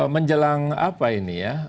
menjelang apa ini ya